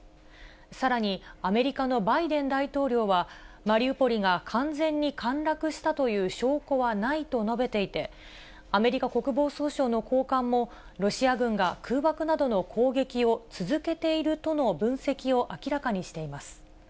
さらにアメリカのバイデン大統領は、マリウポリが完全に陥落したという証拠はないと述べていて、アメリカ国防総省の高官も、ロシア軍が空爆などの攻撃を続けているとの分析を明らかにしています。